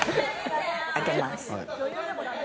あけます。